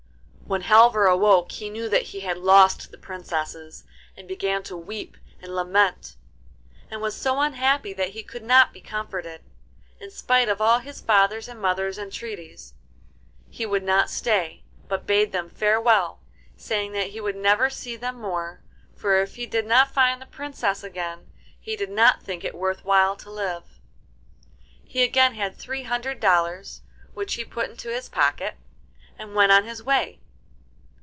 When Halvor awoke he knew that he had lost the Princesses, and began to weep and lament, and was so unhappy that he could not be comforted. In spite of all his father's and mother's entreaties, he would not stay, but bade them farewell, saying that he would never see them more, for if he did not find the Princess again he did not think it worth while to live. He again had three hundred dollars, which he put into his pocket and went on his way.